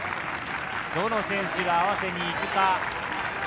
どの選手が合わせに行くか？